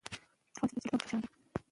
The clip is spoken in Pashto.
افغانستان کې د جلګه د پرمختګ هڅې روانې دي.